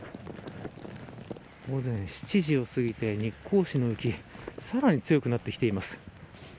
午前７時を過ぎて、日光市の雪さらに強くなってきています。